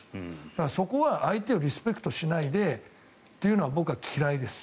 そこは相手をリスペクトしないというのは僕は嫌いです。